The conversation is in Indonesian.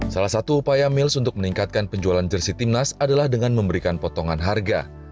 salah satu upaya mils untuk meningkatkan penjualan jersi timnas adalah dengan memberikan potongan harga